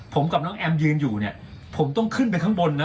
ผมกับน้องแอมยืนอยู่เนี่ยผมต้องขึ้นไปข้างบนนะ